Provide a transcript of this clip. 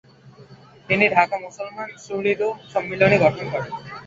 তিনি ঢাকা মুসলমান সুহৃদ সম্মিলনি গঠন করেন।